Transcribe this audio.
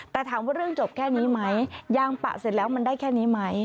แต่ถามว่าเรื่องจบแค่นี้ไหมยางปะเสร็จแล้วมันได้แค่นี้ไหม